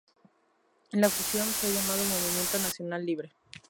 La fusión fue llamado Movimiento Nacional Libre.